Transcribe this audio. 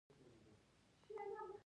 منافق نه دی.